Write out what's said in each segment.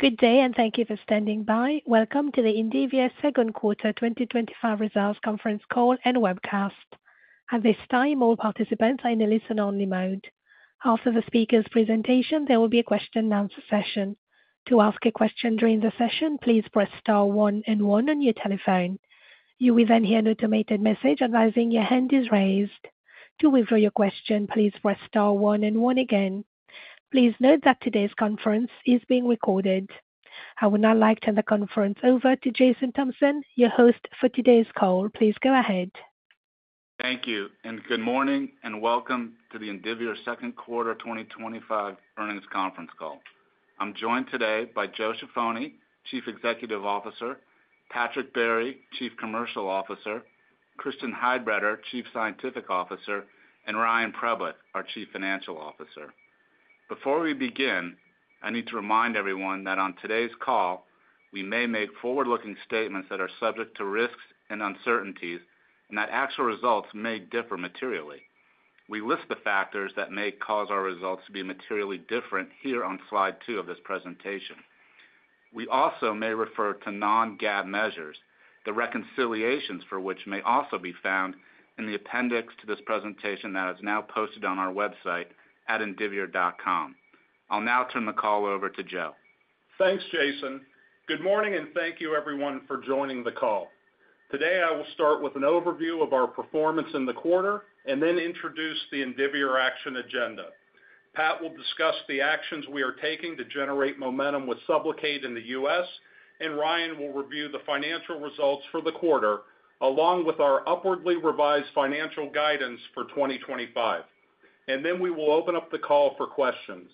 Good day and thank you for standing by. Welcome to the Indivior second quarter 2025 results conference call and webcast. At this time all participants are in a listen only mode. After the speaker's presentation there will be a question and answer session. To ask a question during the session, please press *11 on your telephone. You will then hear an automated message advising your hand is raised. To withdraw your question, please press *11 and one again. Please note that today's conference is being recorded. I would now like to turn the conference over to Jason Thompson, your host for today's call. Please go ahead. Thank you and good morning and welcome to the Indivior second quarter 2025 earnings conference call. I'm joined today by Joseph Ciaffoni, Chief Executive Officer, Patrick Barry, Chief Commercial Officer, Christian Heidbreder, Chief Scientific Officer, and Ryan Preblick, our Chief Financial Officer. Before we begin, I need to remind everyone that on today's call we may make forward-looking statements that are subject to risks and uncertainties and that actual results may differ materially. We list the factors that may cause our results to be materially different here on slide two of this presentation. We also may refer to non-GAAP measures, the reconciliations for which may also be found in the appendix to this presentation that is now posted on our website at indivior.com. I'll now turn the call over to Joe. Thanks, Jason. Good morning and thank you, everyone, for joining the call today. I will start with an overview of our performance in the quarter and then introduce the Indivior Action Agenda. Pat will discuss the actions we are taking to generate momentum with SUBLOCADE in the U.S., and Ryan will review the financial results for the quarter along with our upwardly revised financial guidance for 2025. Then we will open up the call for questions.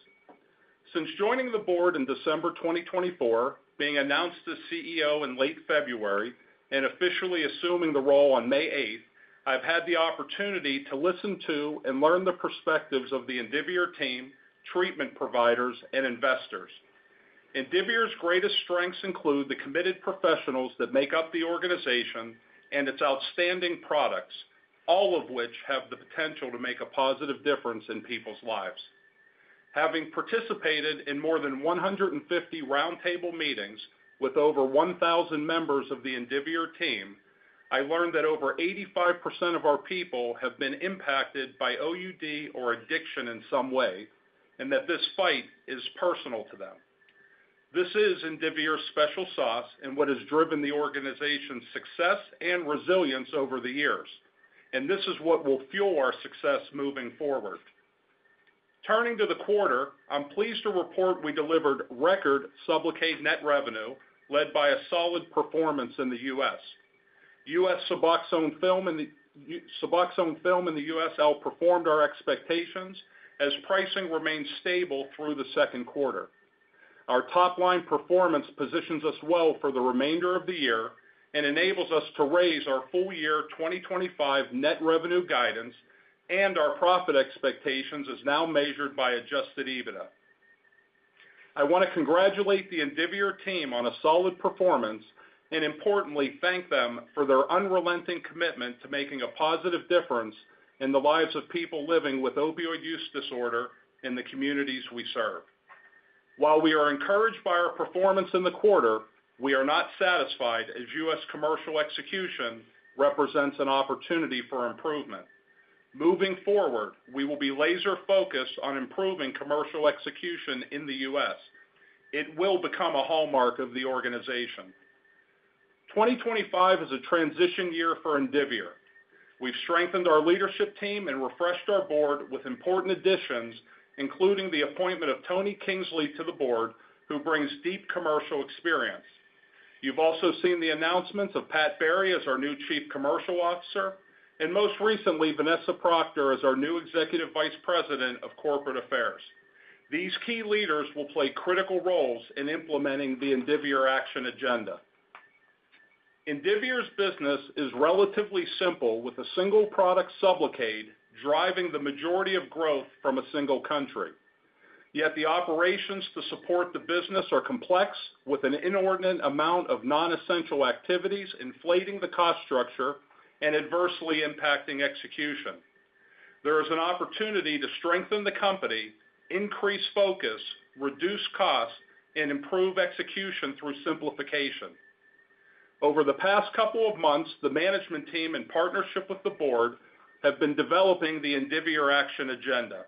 Since joining the Board in December 2024, being announced as CEO in late February, and officially assuming the role on May 8th, I've had the opportunity to listen to and learn the perspectives of the Indivior team, treatment providers, and investors. Indivior's greatest strengths include the committed professionals that make up the organization and its outstanding products, all of which have the potential to make a positive difference in people's lives. Having participated in more than 150 roundtable meetings with over 1,000 members of the Indivior team, I learned that over 85% of our people have been impacted by OUD or addiction in some way and that this fight is personal to them. This is Indivior's special sauce and what has driven the organization's success and resilience over the years, and this is what will fuel our success moving forward. Turning to the quarter, I'm pleased to report we delivered record SUBLOCADE net revenue led by a solid performance in the U.S. SUBOXONE Film in the U.S. outperformed our expectations as pricing remains stable through the second quarter. Our top line performance positions us well for the remainder of the year and enables us to raise our full year 2025 net revenue guidance and our profit expectations as now measured by adjusted EBITDA. I want to congratulate the Indivior team on a solid performance and, importantly, thank them for their unrelenting commitment to making a positive difference in the lives of people living with opioid use disorder in the communities we serve. While we are encouraged by our performance in the quarter, we are not satisfied as U.S. commercial execution represents an opportunity for improvement. Moving forward, we will be laser focused on improving commercial execution in the U.S.; it will become a hallmark of the organization. 2025 is a transition year for Indivior. We've strengthened our leadership team and refreshed our Board with important additions, including the appointment of Tony Kingsley to the Board, who brings deep commercial experience. You've also seen the announcements of Patrick Barry as our new Chief Commercial Officer and most recently Vanessa Proctor as our new Executive Vice President of Corporate Affairs. These key leaders will play critical roles in implementing the Indivior Action Agenda. Indivior's business is relatively simple with a single product, SUBLOCADE, driving the majority of growth from a single country. Yet the operations to support the business are complex, with an inordinate amount of non-essential activities inflating the cost structure and adversely impacting execution. There is an opportunity to strengthen the company, increase focus, reduce cost, and improve execution through simplification. Over the past couple of months, the management team, in partnership with the Board, have been developing the Indivior Action Agenda.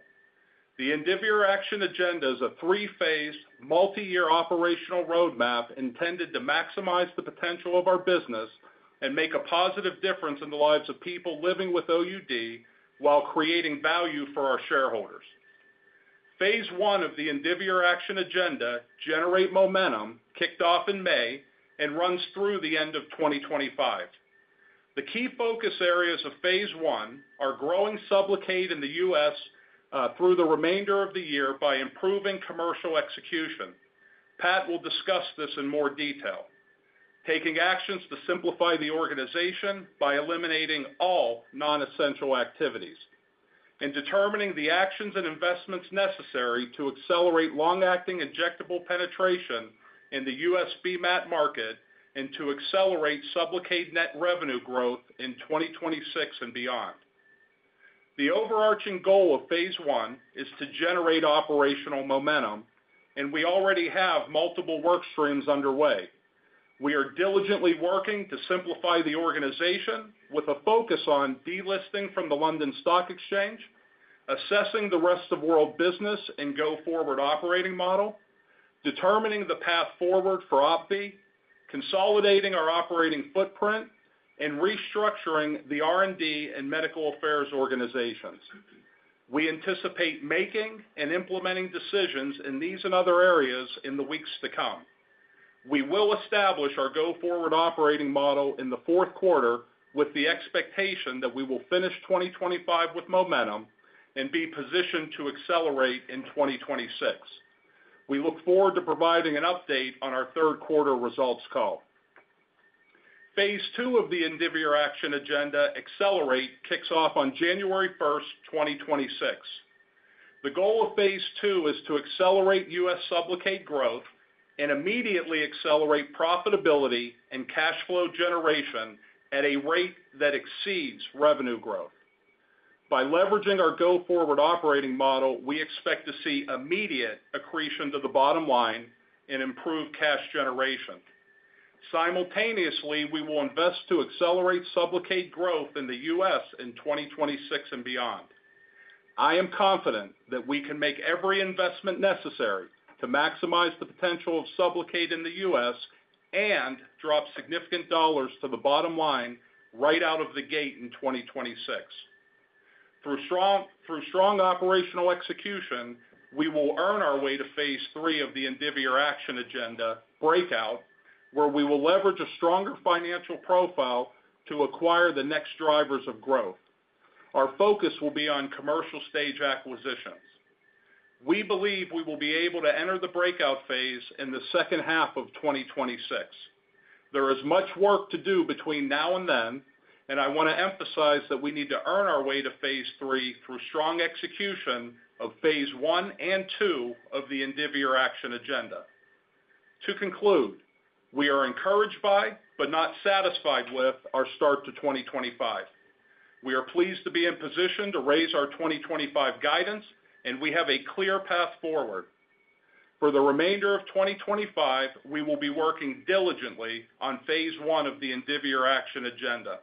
The Indivior Action Agenda is a three-phase, multi-year operational roadmap intended to maximize the potential of our business and make a positive difference in the lives of people living with OUD while creating value for our shareholders. Phase one of the Indivior Action Agenda, Generate Momentum, kicked off in May and runs through the end of 2025. The key focus areas of phase one are growing SUBLOCADE in the U.S. through the remainder of the year by improving commercial execution. Patrick will discuss this in more detail. Taking actions to simplify the organization by eliminating all non-essential activities and determining the actions and investments necessary to accelerate long-acting injectable penetration in the U.S. BMAT market and to accelerate SUBLOCADE net revenue growth in 2026 and beyond. The overarching goal of phase one is to generate operational momentum, and we already have multiple work streams underway. We are diligently working to simplify the organization with a focus on delisting from the London Stock Exchange, assessing the rest of world business and go-forward operating model, determining the path forward for OPVEE, consolidating our operating footprint, and restructuring the R&D and medical affairs organizations. We anticipate making and implementing decisions in these and other areas in the weeks to come. We will establish our go-forward operating model in the fourth quarter with the expectation that we will finish 2025 with momentum and be positioned to accelerate in 2026. We look forward to providing an update. On our third quarter results. Call Phase Two of the Indivior Action Agenda Accelerate kicks off on January 1st, 2026. The goal of Phase Two is to accelerate U.S. SUBLOCADE growth and immediately accelerate profitability and cash flow generation at a rate that exceeds revenue growth. By leveraging our go-forward operating model, we expect to see immediate accretion to the bottom line and improved cash generation. Simultaneously, we will invest to accelerate SUBLOCADE growth in the U.S. in 2026 and beyond. I am confident that we can make every investment necessary to maximize the potential of SUBLOCADE in the U.S. and drop significant dollars to the bottom line right out of the gate in 2026. Through strong operational execution, we will earn our way to Phase Three of the Indivior Action Agenda Breakout, where we will leverage a stronger financial profile to acquire the next drivers of growth. Our focus will be on commercial-stage acquisitions. We believe we will be able to enter the Breakout Phase in the second half of 2026. There is much work to do between now and then, and I want to emphasize that we need to earn our way to Phase Three through strong execution of Phase One and Two of the Indivior Action Agenda. To conclude, we are encouraged by but not satisfied with our start to 2025. We are pleased to be in position to raise our 2025 guidance, and we have a clear path forward for the remainder of 2025. We will be working diligently on Phase One of the Indivior Action Agenda.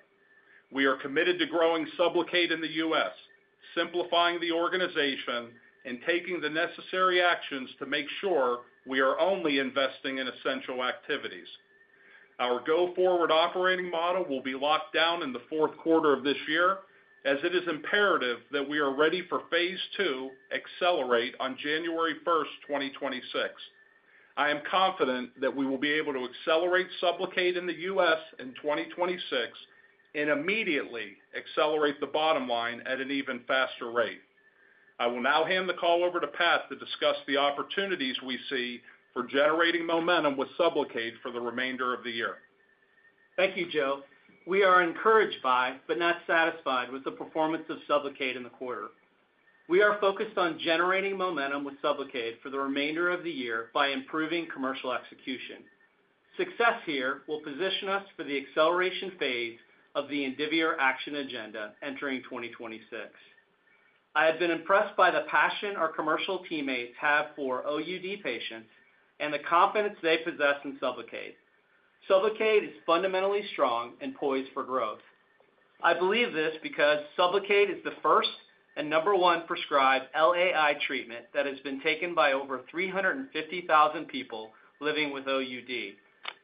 We are committed to growing SUBLOCADE in the U.S., simplifying the organization, and taking the necessary actions to make sure we are only investing in essential activities. Our go-forward operating model will be locked down in the fourth quarter of this year, as it is imperative that we are ready for Phase Two as Accelerate on January 1st, 2026. I am confident that we will be able to accelerate SUBLOCADE in the U.S. in 2026 and immediately accelerate the bottom line at an even faster rate. I will now hand the call over to Pat to discuss the opportunities we see for generating momentum with SUBLOCADE for the remainder of the year. Thank you Joe. We are encouraged by but not satisfied with the performance of SUBLOCADE in the quarter. We are focused on generating momentum with SUBLOCADE for the remainder of the year by improving commercial execution. Success here will position us for the acceleration phase of the Indivior action agenda entering 2026. I have been impressed by the passion our commercial teammates have for OUD patients and the confidence they possess in SUBLOCADE. SUBLOCADE is fundamentally strong and poised for growth. I believe this because SUBLOCADE is the first and number one prescribed LAI treatment that has been taken by over 350,000 people living with OUD.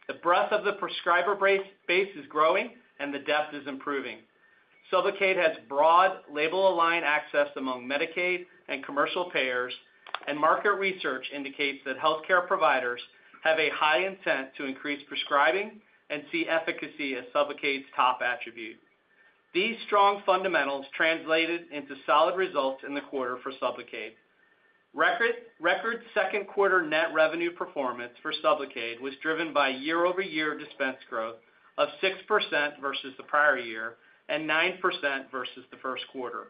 The breadth of the prescriber base is growing and the depth is improving. SUBLOCADE has broad label-aligned access among Medicaid and commercial payers and market research indicates that healthcare providers have a high intent to increase prescribing and see efficacy as SUBLOCADE's top attribute. These strong fundamentals translated into solid results in the quarter for SUBLOCADE. Record second quarter net revenue performance for SUBLOCADE was driven by year-over-year dispense growth of 6% versus the prior year and 9% versus the first quarter.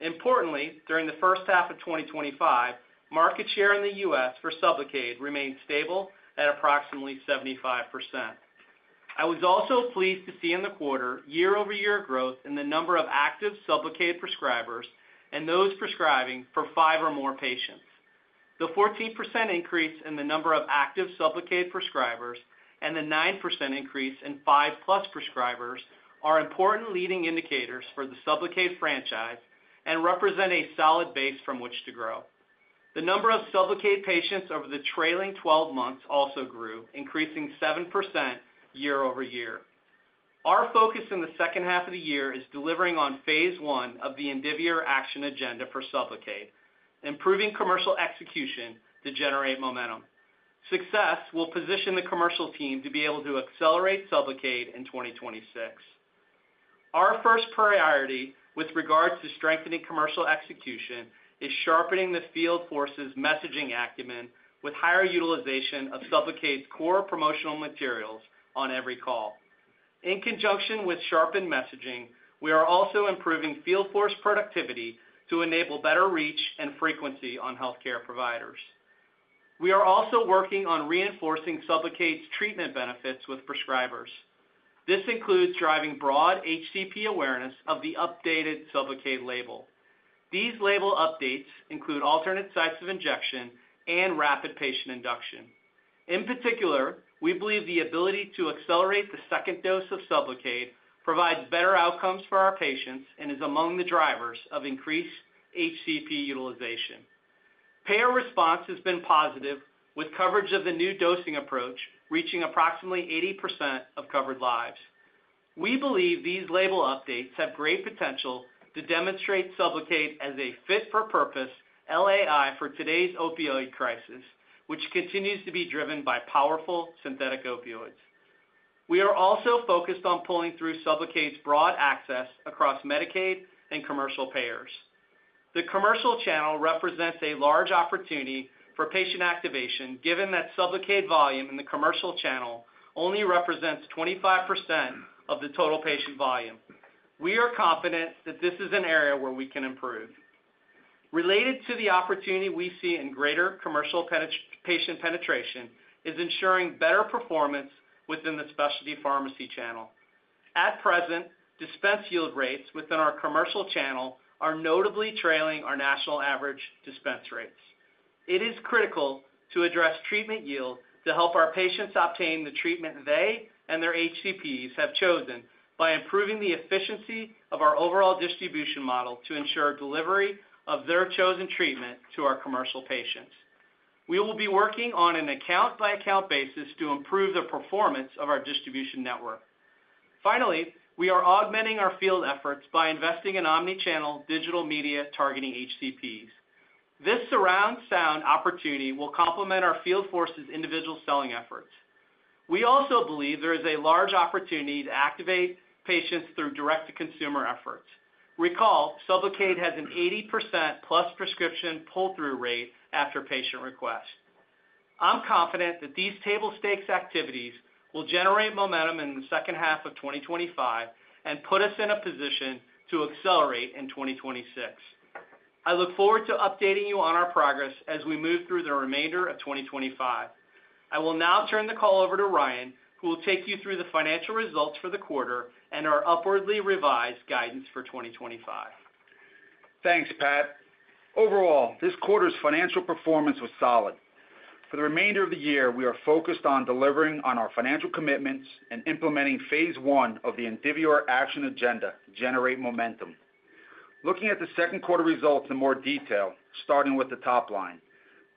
Importantly, during the first half of 2025, market share in the U.S. for SUBLOCADE remained stable at approximately 75%. I was also pleased to see in the quarter year-over-year growth in the number of active SUBLOCADE prescribers and those prescribing for five or more patients. The 14% increase in the number of active SUBLOCADE prescribers and the 9% increase in 5 plus prescribers are important leading indicators for the SUBLOCADE franchise and represent a solid base from which to grow. The number of SUBLOCADE patients over the trailing 12 months also grew, increasing 7% year-over-year. Our focus in the second half of the year is delivering on phase one of the Indivior action agenda for SUBLOCADE. Improving commercial execution to generate momentum success will position the commercial team to be able to accelerate SUBLOCADE in 2026. Our first priority with regards to strengthening commercial execution is sharpening the Field Force's messaging acumen with higher utilization of SUBLOCADE's core promotional materials on every call. In conjunction with sharpened messaging, we are also improving Field Force productivity to enable better reach and frequency on healthcare providers. We are also working on reinforcing SUBLOCADE's treatment benefits with prescribers. This includes driving broad HCP awareness of the updated SUBLOCADE label. These label updates include alternate sites of injection and rapid patient induction. In particular, we believe the ability to accelerate the second dose of SUBLOCADE provides better outcomes for our patients and is among the drivers of increased HCP utilization. Payer response has been positive, with coverage of the new dosing approach reaching approximately 80% of covered lives. We believe these label updates have great potential to demonstrate SUBLOCADE as a fit-for-purpose long-acting injectable for today's opioid crisis, which continues to be driven by powerful synthetic opioids. We are also focused on pulling through SUBLOCADE's broad access across Medicaid and commercial payers. The commercial channel represents a large opportunity for patient activation. Given that SUBLOCADE volume in the commercial channel only represents 25% of the total patient volume, we are confident that this is an area where we can improve. Related to the opportunity we see in greater commercial patient penetration is ensuring better performance within the specialty pharmacy channel. At present, dispense yield rates within our commercial channel are notably trailing our national average dispense rates. It is critical to address treatment yield to help our patients obtain the treatment they and their HCPs have chosen by improving the efficiency of our overall distribution model to ensure delivery of their chosen treatment to our commercial patients. We will be working on an account-by-account basis to improve the performance of our distribution network. Finally, we are augmenting our field efforts by investing in omnichannel digital media targeting HCPs. This surround sound opportunity will complement our field force's individual selling efforts. We also believe there is a large opportunity to activate patients through direct-to-consumer efforts. Recall SUBLOCADE has an 80%+ prescription pull-through rate after patient request. I am confident that these table stakes activities will generate momentum in the second half of 2025 and put us in a position to accelerate in 2026. I look forward to updating you on our progress as we move through the remainder of 2025. I will now turn the call over to Ryan, who will take you through the financial results for the quarter and our upwardly revised guidance for 2025. Thanks, Pat. Overall, this quarter's financial performance was solid. For the remainder of the year, we. Are focused on delivering on our financial commitments and implementing Phase One of the Indivior Action Agenda. Generate momentum looking at the second quarter. Results in more detail. Starting with the top line,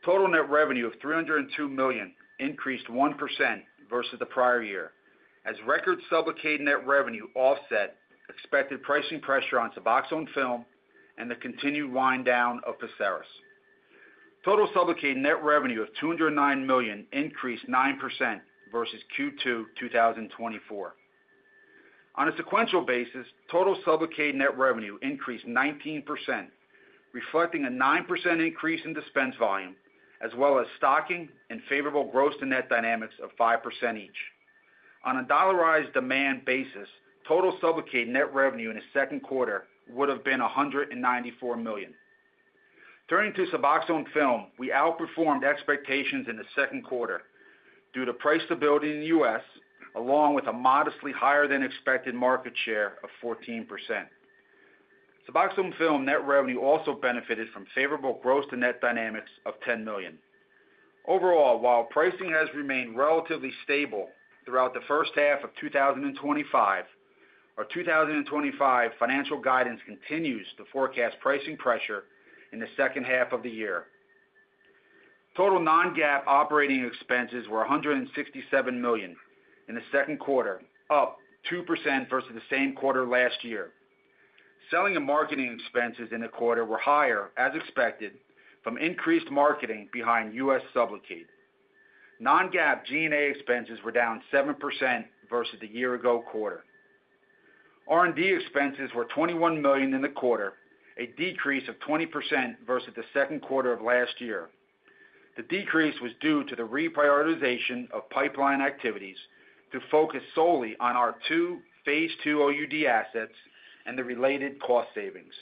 total net revenue of $302 million increased 1% versus the prior year as record SUBLOCADE net revenue offset expected pricing pressure on SUBOXONE Film and the continued wind down of Pacrus. Total SUBLOCADE net revenue of $209 million increased 9% versus Q2 2024. On a sequential basis, total SUBLOCADE net revenue increased 19%, reflecting a 9% increase in dispense volume as well as stocking and favorable gross-to-net dynamics of 5% each. On a dollarized demand basis, total SUBLOCADE net revenue in the second quarter would have been $194 million. Turning to SUBOXONE Film, we outperformed expectations in the second quarter due to price stability in the U.S. along with a modestly higher than expected market share of 14%. SUBOXONE Film net revenue also benefited from favorable gross-to-net dynamics of $10 million. Overall, while pricing has remained relatively stable throughout the first half of 2025, our 2025 financial guidance continues to forecast pricing pressure in the second half of the year. Total non-GAAP operating expenses were $167 million in the second quarter, up 2% versus the same quarter last year. Selling and marketing expenses in the quarter were higher as expected from increased marketing behind us. SUBLOCADE non-GAAP G&A expenses were down 7% versus the year ago quarter. R&D expenses were $21 million in the quarter, a decrease of 20% versus the second quarter of last year. The decrease was due to the reprioritization of pipeline activities to focus solely on our two Phase 2 OUD assets and the related cost savings.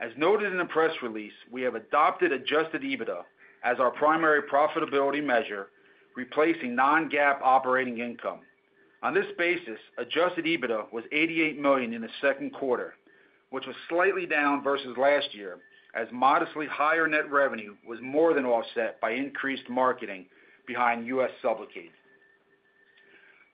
As noted in the press release, we have adopted adjusted EBITDA as our primary profitability measurement, replacing non-GAAP operating income. On this basis, adjusted EBITDA was $88 million in the second quarter, which was slightly down versus last year as modestly higher net revenue was more than offset by increased marketing behind us.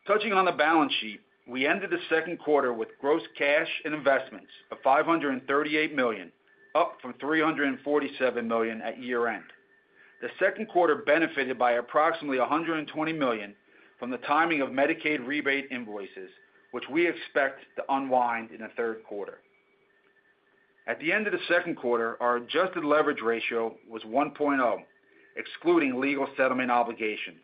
Touching on the balance sheet, we ended the second quarter with gross cash and investments of $538 million, up from $347 million at year end. The second quarter benefited by approximately $120 million from the timing of Medicaid rebate invoices, which we expect to unwind in the third quarter. At the end of the second quarter, our adjusted leverage ratio was 1.0, excluding legal settlement obligations.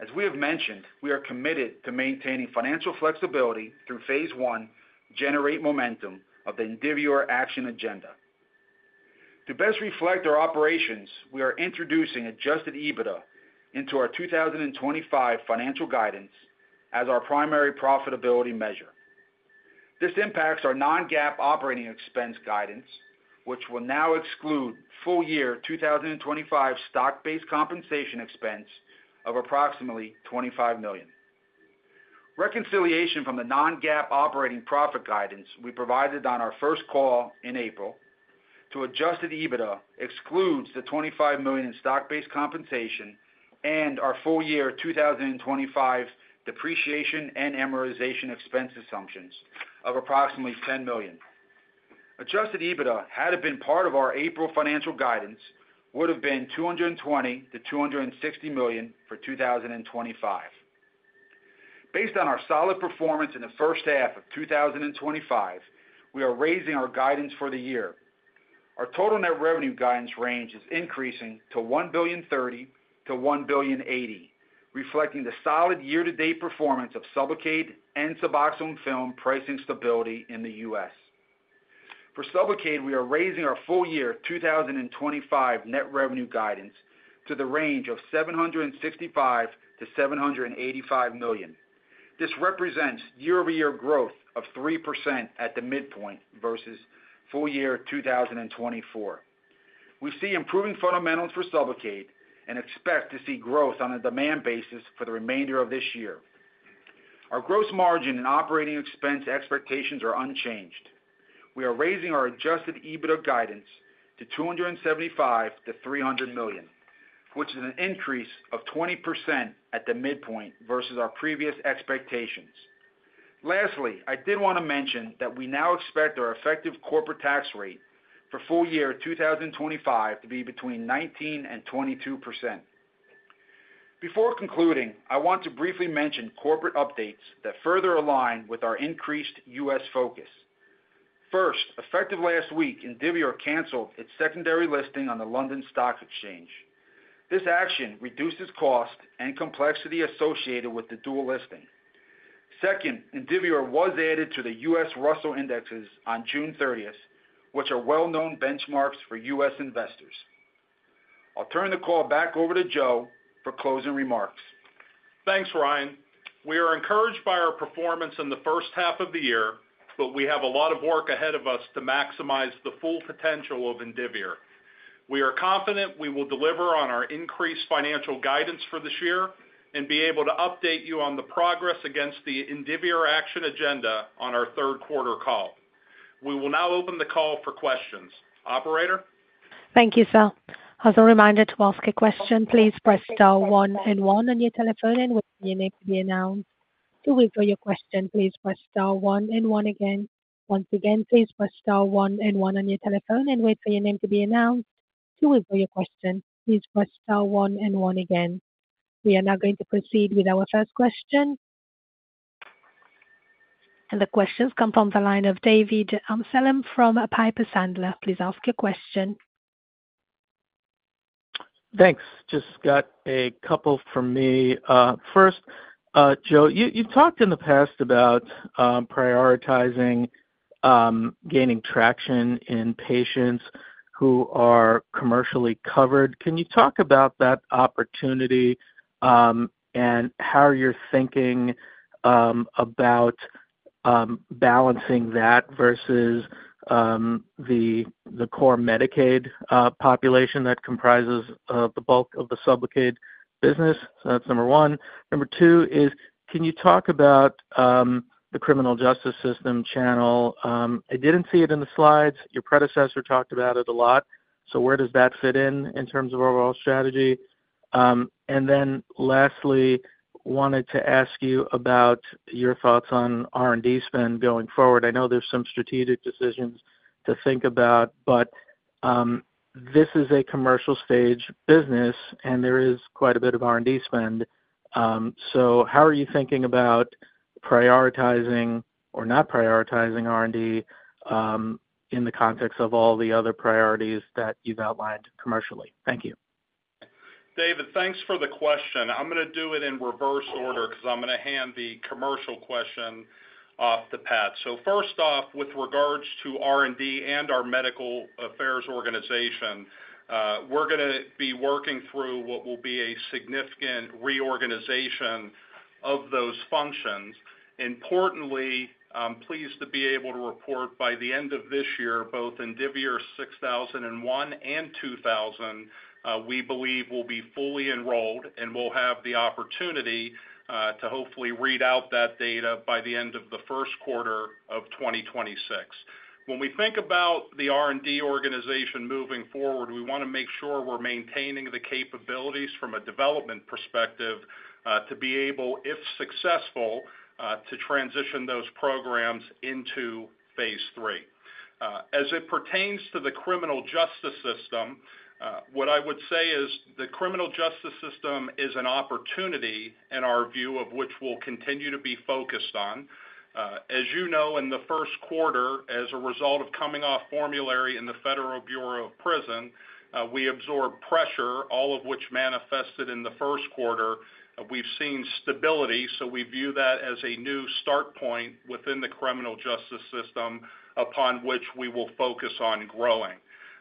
As we have mentioned, we are committed to maintaining financial flexibility through phase one Generate momentum of the Indivior action agenda. To best reflect our operations, we are introducing adjusted EBITDA into our 2025 financial guidance as our primary profitability measure. This impacts our non-GAAP operating expense guidance, which will now exclude full year 2025 stock-based compensation expense of approximately $25 million. Reconciliation from the non-GAAP operating profit guidance we provided on our first call in April to adjusted EBITDA excludes the $25 million in stock-based compensation and our full year 2025 depreciation and amortization expense assumptions of approximately $10 million. Adjusted EBITDA, had it been part of our April financial guidance, would have been $220 million-$260 million for 2025. Based on our solid performance in the first half of 2025, we are raising our guidance for the year. Our total net revenue guidance range is increasing to $1,030 million-$1,080 million, reflecting the solid year-to-date performance of SUBLOCADE and SUBOXONE Film, and pricing stability in the U.S. For SUBLOCADE, we are raising our full year 2025 net revenue guidance to the range of $765 million-$785 million. This represents year-over-year growth of 3% at the midpoint versus full year 2024. We see improving fundamentals for SUBLOCADE and expect to see growth on a demand basis for the remainder of this year. Our gross margin and operating expense expectations are unchanged. We are raising our adjusted EBITDA guidance to $275 million-$300 million, which is an increase of 20% at the midpoint versus our previous expectations. Lastly, I did want to mention that we now expect our effective corporate tax rate for full year 2025 to be between 19% and 22%. Before concluding, I want to briefly mention corporate updates that further align with our increased U.S. focus. First, effective last week, Indivior canceled its secondary listing on the London Stock Exchange. This action reduces cost and complexity associated with the dual listing. Second, Indivior was added to the U.S. Russell Indexes on June 30th, which are well-known benchmarks for U.S. investors. I'll turn the call back over to Joe for closing remarks. Thanks, Ryan. We are encouraged by our performance in the first half of the year, but we have a lot of work ahead of us to maximize the full potential of Indivior. We are confident we will deliver on our increased financial guidance for this year and be able to update you on the progress against the Indivior Action Agenda. On our third quarter call. We will now open the call for questions. Operator, thank you, sir. As a reminder to ask a question, please press *11 on your telephone and wait for your name to be announced. To wait for your question, please press *11 again. Once again, please press *11 on your telephone and wait for your name to be announced. To wait for your question, please press Star 1 and 1 again. We are now going to proceed with our first question and the questions come from the line of David Amsellem from Piper Sandler. Please ask your question. Thanks. Just got a couple from me first. Joe, you've talked in the past about prioritizing, gaining traction in patients who are commercially covered. Can you talk about that opportunity and how you're thinking about balancing that versus the core Medicaid population that comprises the bulk of the SUBLOCADE business? That's number one. Number two is can you talk about the criminal justice system channel? I didn't see it in the slides. Your predecessor talked about it a lot. Where does that fit in? Terms of overall strategy? Lastly, wanted to ask you about your thoughts on R&D spend going forward. I know there's some strategic decisions to think about, but this is a commercial-stage business and there is quite a bit of R&D spend. How are you thinking about prioritizing or not prioritizing R&D in the context of all the other priorities that you've outlined commercially? Thank you, David. Thanks for the question. I'm going to do it in reverse order because I'm going to hand the commercial question off to Pat. First off, with regards to R&D and our Medical Affairs organization, we're going to be working through what will be a significant reorganization of those functions. Importantly, I'm pleased to be able to report by the end of this year, both INDV-6001 and 2000, we believe we'll be fully enrolled and we'll have the opportunity to hopefully read out that data by the end of the first quarter of 2026. When we think about the R&D organization moving forward, we want to make sure we're maintaining the capabilities from a development perspective to be able, if successful, to transition those programs into Phase 3 as it pertains to the criminal justice system. What I would say is the criminal justice system is an opportunity in our view of which we'll continue to be focused on. As you know, in the first quarter as a result of coming off formulary in the Federal Bureau of Prisons, we absorbed pressure, all of which manifested in the first quarter. We've seen stability. We view that as a new start point within the criminal justice system upon which we will focus on growing.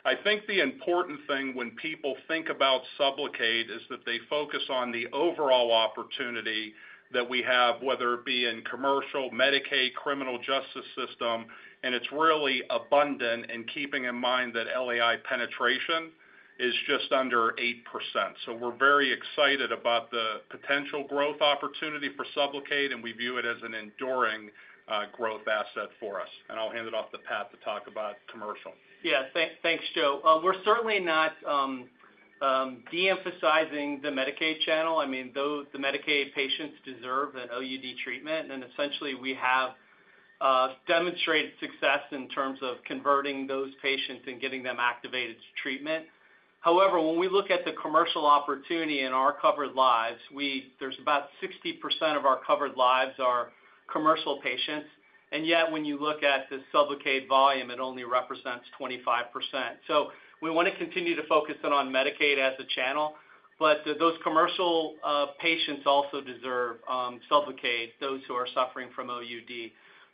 I think the important thing when people think about SUBLOCADE is that they focus on the overall opportunity that we have, whether it be in commercial Medicaid, criminal justice system. It's really abundant. Keeping in mind that LAI penetration is just under 8%. We're very excited about the potential growth opportunity for SUBLOCADE and we view it as an enduring growth asset for us. I'll hand it off to Pat to talk about commercial. Yeah, thanks, Joe. We're certainly not deemphasizing the Medicaid channel. I mean, the Medicaid patients deserve an OUD treatment and essentially we have demonstrated success in terms of converting those patients and getting them activated to treatment. However, when we look at the commercial opportunity in our covered lives, there's about 60% of our covered lives are commercial patients. Yet when you look at the SUBLOCADE volume, it only represents 25%. We want to continue to focus on Medicaid as a channel. Those commercial patients also deserve SUBLOCADE, those who are suffering from OUD.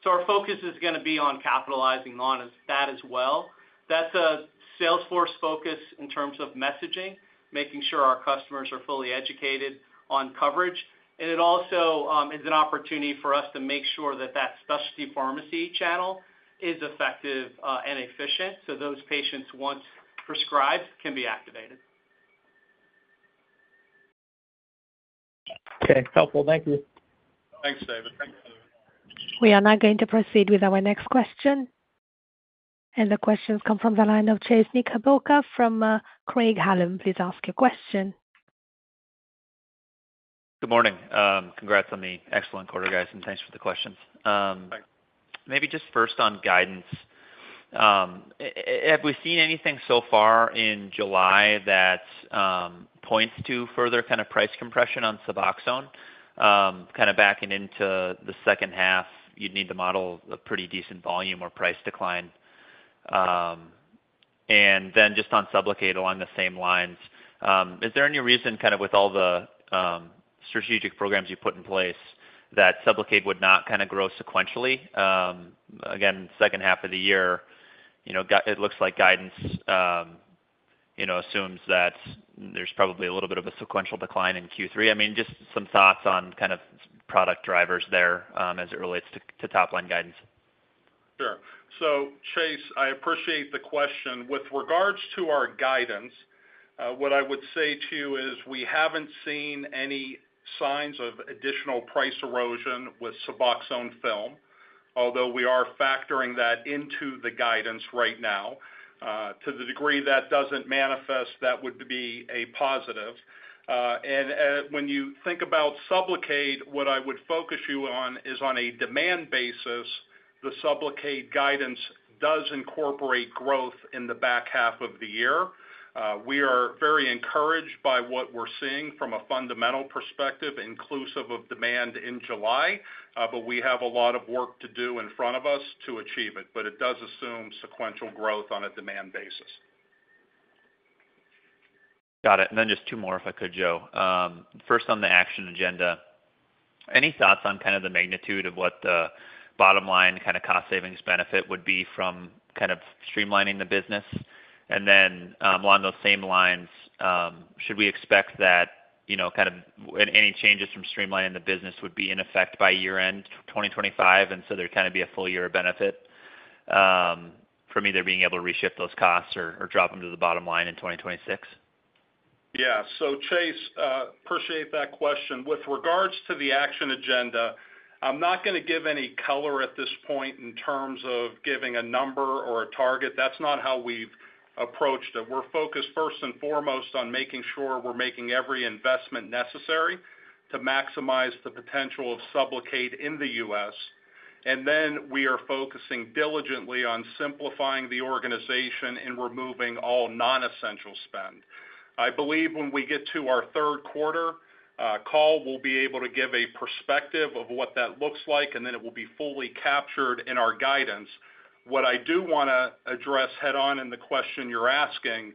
Our focus is going to be on capitalizing on that as well. That's a salesforce focus in terms of messaging, making sure our customers are fully educated on coverage. It also is an opportunity for us to make sure that that specialty pharmacy channel is effective and efficient so those patients, once prescribed, can be activated. Okay, helpful. Thank you. Thanks, David. We are now going to proceed with our next question. The questions come from the line of Chase Knickerbocker from Craig Hallum, please ask your question. Good morning. Congrats on the excellent quarter, guys. Thanks for the questions. Maybe just first on guidance. Have we. Seen anything so far in July that points to further kind of price compression on SUBOXONE kind of backing into the second half, you'd need to model a pretty decent volume or price decline. Just on SUBLOCADE along the same lines, is there any reason kind of with all the strategic programs you put in place that SUBLOCADE would not kind of grow sequentially again, second half of the year? It looks like guidance assumes that there's probably a little bit of a sequential decline in Q3. Just some thoughts on kind of product drivers there as it relates to top line guidance. Chase, I appreciate the question with regards to our guidance. What I would say to you is we haven't seen any signs of additional price erosion with SUBOXONE Film, although we are factoring that into the guidance right now. To the degree that doesn't manifest, that would be a positive. When you think about SUBLOCADE, what I would focus you on is on a demand basis. The SUBLOCADE guidance does incorporate growth in the back half of the year. We are very encouraged by what we're seeing from a fundamental perspective, inclusive of demand in July. We have a lot of work to do in front of us to achieve it, but it does assume sequential growth on a demand basis. Got it. Just two more if I could, Joe. First, on the action agenda, any thoughts on the magnitude of what the bottom line cost savings benefit would be from streamlining the business? Along those same lines, should we expect that any changes from streamlining the business would be in effect by year end 2025, and so there'd be a full year of benefit from either being able to reshift those costs or drop them to the bottom line in 2026. Yeah. Chase, appreciate that question. With regards to the action agenda, I'm not going to give any color at this point in terms of giving a number or a target. That's not how we've approached it. We're focused first and foremost on making sure we're making every investment necessary to maximize the potential of SUBLOCADE in the United States, and then we are focusing diligently on simplifying the organization and removing all non-essential spend. I believe when we get to our third quarter call we'll be able to give a perspective of what that looks like, and then it will be fully captured in our guidance. What I do want to address head on in the question you're asking,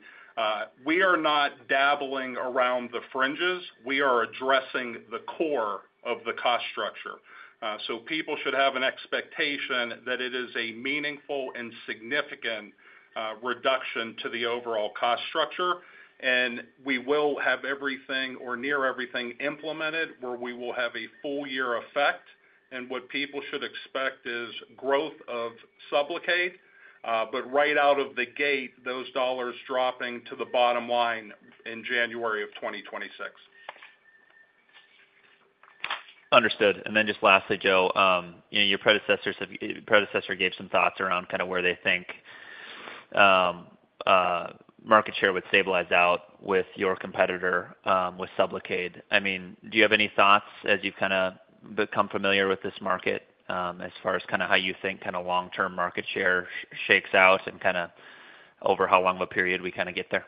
we are not dabbling around the fringes. We are addressing the core of the cost structure. People should have an expectation that it is a meaningful and significant reduction to the overall cost structure, and we will have everything or near everything implemented where we will have a full year effect. What people should expect is growth of SUBLOCADE, but right out of the gate those dollars dropping to the bottom line in January of 2026. Understood. Lastly, Joe, your predecessor gave some thoughts around kind of where they think market share would stabilize out with your competitor with SUBLOCADE. Do you have any thoughts as you become familiar with this market as far as how you think long term market share shakes out and over how long of a period we get there?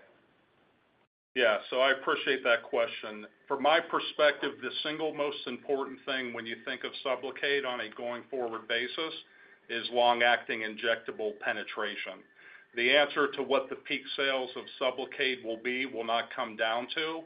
Yes. I appreciate that question. From my perspective, the single most important thing when you think of SUBLOCADE on a going forward basis is long-acting injectable penetration. The answer to what the peak sales of SUBLOCADE will be will not come down to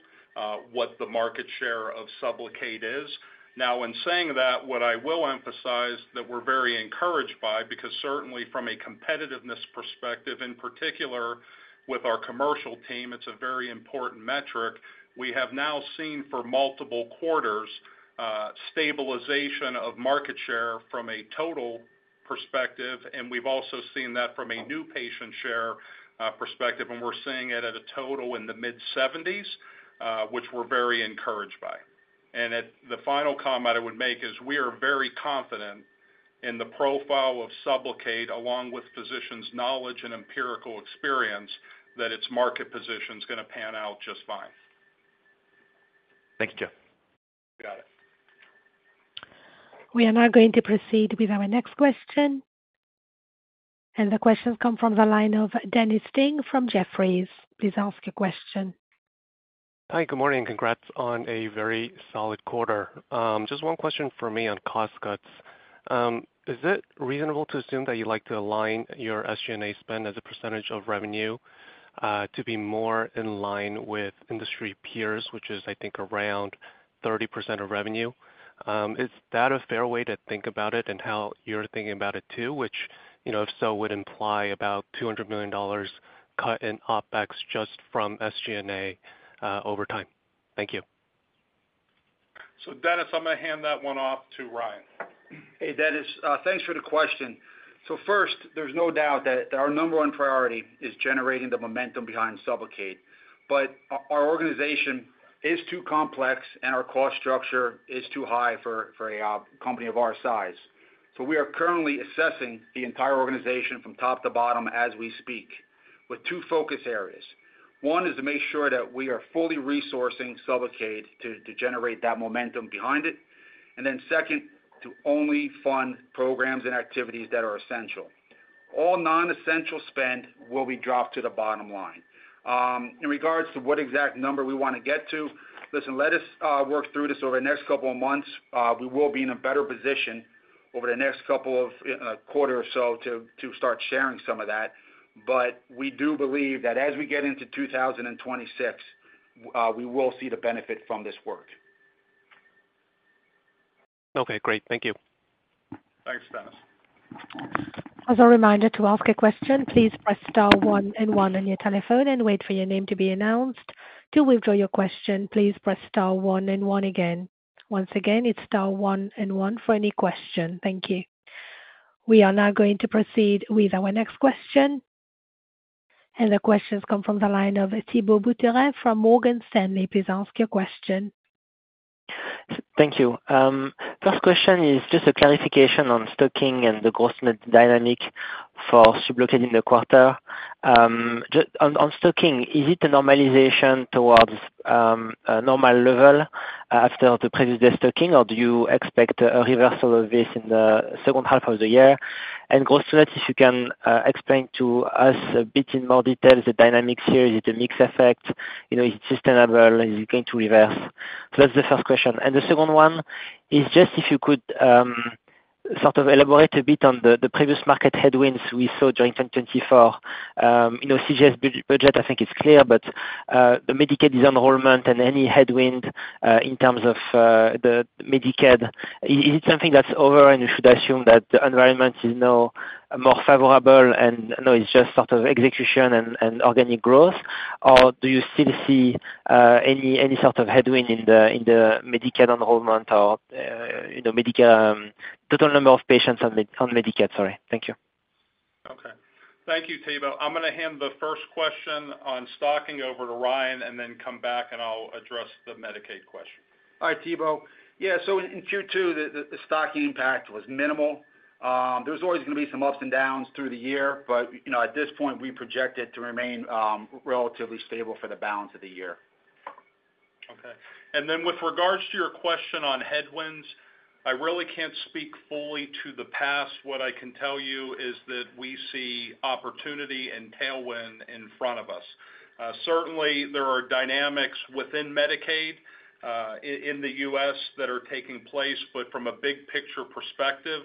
what the market share of SUBLOCADE is. In saying that, what I will emphasize that we're very encouraged by, because certainly from a competitiveness perspective, in particular with our commercial team, it's a very important metric. We have now seen for multiple quarters stabilization of market share from a total perspective. We've also seen that from a new patient share perspective, and we're seeing it at a total in the mid-70% which we're very encouraged by. The final comment I would make is we are very confident in the profile of SUBLOCADE along with physicians' knowledge and empirical experience that its market position is going to pan out just fine. Thank you, Joe. Got it. We are now going to proceed with our next question. The questions come from the line of Dennis Ding from Jefferies, please ask your question. Hi, good morning. Congrats on a very solid quarter. Just one question for me on cost cuts. Is it reasonable to assume that you like to align your SG&A spend as a percentage of revenue to be more in line with industry peers, which is I think around 30% of revenue? Is that a fair way to think about it and how you're thinking about it too, which if so would imply about $200 million cut in OpEx just from SG&A over time. Thank you. Dennis, I'm going to hand that one off to Ryan. Hey Dennis, thanks for the question. First, there's no doubt that our number one priority is generating the momentum behind SUBLOCADE. Our organization is too complex and our cost structure is too high for a company of our size. We are currently assessing the entire organization from top to bottom as we speak with two focus areas. One is to make sure that we are fully resourcing SUBLOCADE to generate that momentum behind it, and second, to only fund programs and activities that are essential. All non-essential spend will be dropped to the bottom line. In regards to what exact number we want to get to, listen, let us work through this over the next couple of months. We will be in a better position over the next couple of quarters or so to start sharing some of that. We do believe that as we get into 2026 we will see the benefit from this work. Okay, great. Thank you. Thanks, Dennis. As a reminder to ask a question, please press *11 on your telephone and wait for your name to be announced. To withdraw your question, please press *11 again. Once again, it's *11 for any question. Thank you. We are now going to proceed with our next question. The questions come from the line of Thibault Boutherin from Morgan Stanley. Please ask your question. Thank you. First question is just a clarification on stocking and the gross dynamic for SUBLOCADE in the quarter on stocking. Is it a normalization towards normal level after the previous day stocking, or do you expect a reversal of this in the second half of the year and gross unet? If you can explain to us a bit in more detail the dynamics. Is it a mix effect? Is it sustainable? Is it going to reverse? That's the first question. The second one is just if you could sort of elaborate a bit on the previous market headwinds we saw during 2024 CGS budget, I think it's clear. The Medicaid is enrollment and any headwind in terms of the Medicaid, is it something that's over and you should assume that the environment is now more favorable and it's just sort of execution and organic growth, or do you still any sort of headwind in the Medicare enrollment or total number of patients on Medicare? Sorry. Thank you. Okay. Thank you, Thibault. I'm going to hand the first question on stocking over to Ryan, and then come back and I'll address the Medicaid question. All right, Thibaut. Yeah. In Q2, the stock impact was minimal. There's always going to be some ups and downs through the year, but at this point we project it to remain relatively stable for the balance of the year. Okay. With regards to your question on headwinds, I really can't speak fully to the past. What I can tell you is that we see opportunity and tailwind in front of us. Certainly, there are dynamics within Medicaid in the U.S. that are taking place. From a big picture perspective,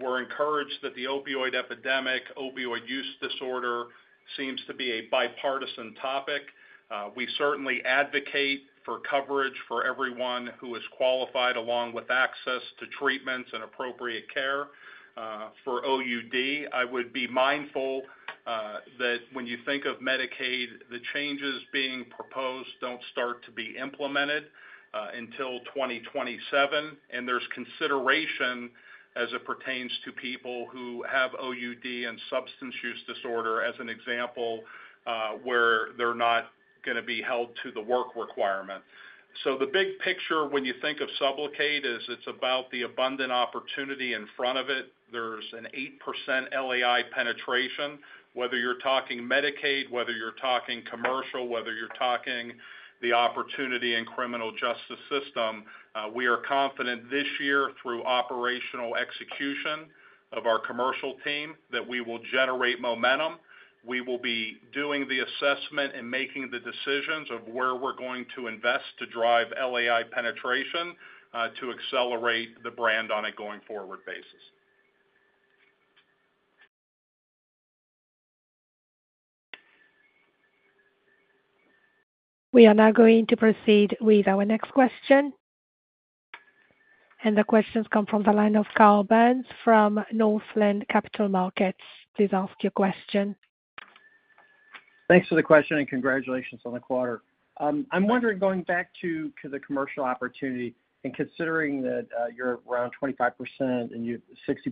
we're encouraged that the opioid epidemic, opioid use disorder seems to be a bipartisan topic. We certainly advocate for coverage for everyone who is qualified, along with access to treatments and appropriate care for OUD. I would be mindful that when you think of Medicaid, the changes being proposed don't start to be implemented until 2027. There's consideration as it pertains to people who have OUD and substance use disorder as an example where they're not going to be held to the work requirement. The big picture when you think of SUBLOCADE is it's about the abundant opportunity in front of it. There's an 8% LAI penetration whether you're talking Medicaid, whether you're talking commercial, whether you're talking the opportunity in criminal justice system. We are confident this year through operational execution of our commercial team that we will generate momentum. We will be doing the assessment and making the decisions of where we're going to invest to drive LAI penetration to accelerate the brand on a going forward basis. We are now going to proceed with our next question. The questions come from the line of Carl Byrnes from Northland Capital Markets. Please ask your question. Thanks for the question and congratulations on the quarter. I'm wondering, going back to the commercial opportunity and considering that you're around 25% and you 60%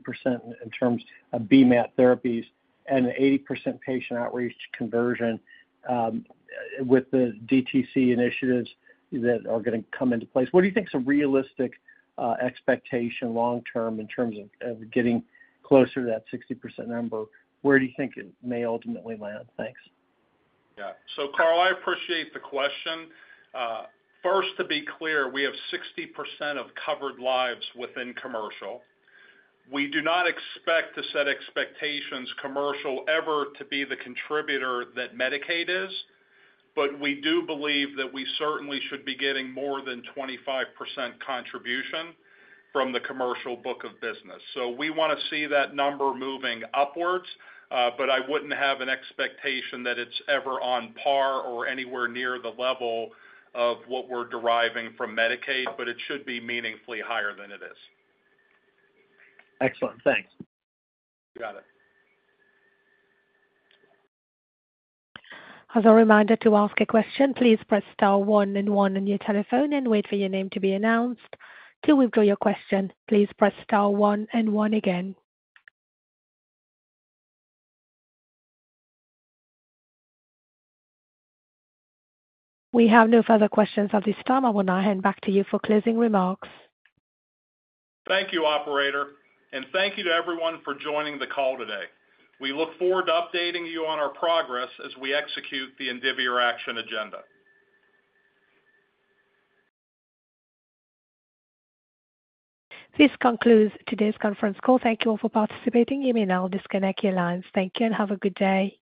in terms of BMAT therapies and 80% patient outreach conversion with the DTC initiatives that are going to come into place, what do you think is a realistic expectation long term in terms of getting closer to that 60% number? Where do you think it may ultimately land? Thanks. Yeah, Carl, I appreciate the question. First, to be clear, we have 60% of covered lives within commercial. We do not expect to set expectations commercial ever to be the contributor that Medicaid is. We do believe that we certainly should be getting more than 25% contribution from the commercial book of business. We want to see that number moving upwards. I wouldn't have an expectation that it's ever on par or anywhere near the level of what we're deriving from Medicaid. It should be meaningfully higher than it is. Excellent, thanks. Got it. As a reminder to ask a question, please press *11 on your telephone and wait for your name to be announced. To withdraw your question, please press *11. Again, we have no further questions at this time. I will now hand back to you for closing remarks. Thank you, operator, and thank you to everyone for joining the call today. We look forward to updating you on our progress as we execute the Indivior action agenda. This concludes today's conference call. Thank you all for participating. You may now disconnect your lines. Thank you and have a good day.